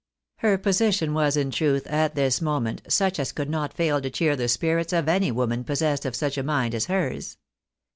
Her position was, in truth, at this moment such as could not faU to cheer the spirits of any woman possessed of such a mind as hers.